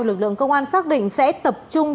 lực lượng công an xác định sẽ tập trung